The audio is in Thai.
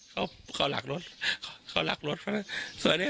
เพื่อน่านครั้งนี้